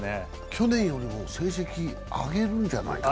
去年よりも成績上げるんじゃないかな。